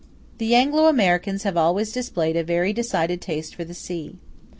The Anglo Americans have always displayed a very decided taste for the sea.